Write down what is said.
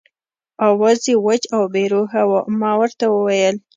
آواز یې وچ او بې روحه و، ما ورته وویل.